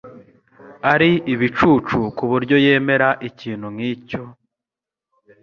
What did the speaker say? Ari ibicucu kuburyo yemera ikintu nkicyo?